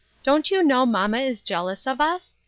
Don't you know mamma is jealous of us